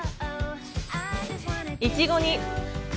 いちごに。